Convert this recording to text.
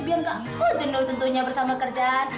biar nggak penjenduk tentunya bersama kerjaan